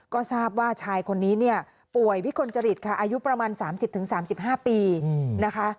ก็ทราบว่าชายคนนี้เนี่ยป่วยวิกลจริตค่ะอายุประมาณ๓๐๓๕ปีนะคะ